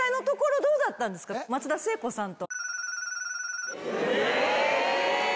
松田聖子さんと。